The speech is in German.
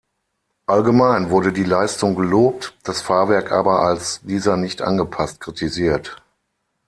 Allgemein wurde die Leistung gelobt, das Fahrwerk aber als dieser nicht angepasst kritisiert.